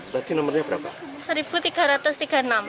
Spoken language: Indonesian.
tadi nomernya berapa